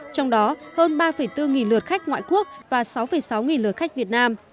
trong đó hơn ba bốn nghìn lượt khách ngoại quốc và sáu sáu nghìn lượt khách việt nam